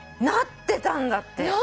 なってたんだって。